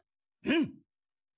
うん。